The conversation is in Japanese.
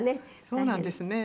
そうなんですね。